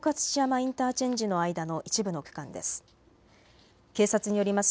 インターチェンジの間の一部の区間です。